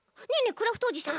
クラフトおじさん。